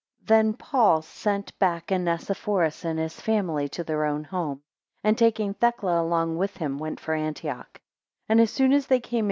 THEN Paul sent back Onesiphorus and his family to their own home, and taking Thecla along with him, went for Antioch; 2 And as soon as they came in.